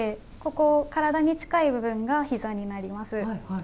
ずっと上に来て、ここ、体に近い部分が、ひざになります。